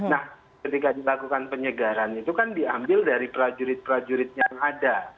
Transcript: nah ketika dilakukan penyegaran itu kan diambil dari prajurit prajurit yang ada